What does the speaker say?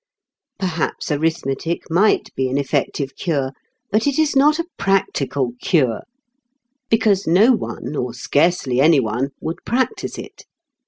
Perhaps arithmetic might be an effective cure, but it is not a practical cure, because no one, or scarcely any one, would practise it.